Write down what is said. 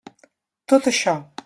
Tot això.